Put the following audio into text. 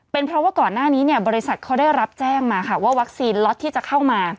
เป็นเพราะว่าก่อนหน้านี้เนี่ยบริษัทเขาได้รับแจ้งมาค่ะว่าวัคซีนล็อตที่จะเข้ามา